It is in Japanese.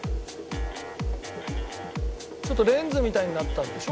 ちょっとレンズみたいになったでしょ